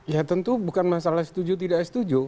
ya tentu bukan masalah setuju tidak setuju